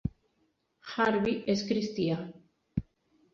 Harvey es cristià.